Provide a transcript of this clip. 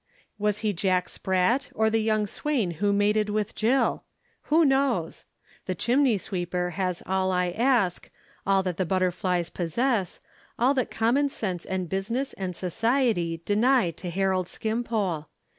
Was he Jack Sprat, or the young swain who mated with Jill! Who knows? The chimney sweeper has all I ask, all that the butterflies possess, all that Common sense and Business and Society deny to Harold Skimpole.